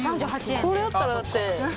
これだったらだって。